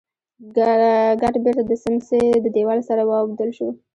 ګټ بېرته د سمڅې د دېوال سره واوبدل شو.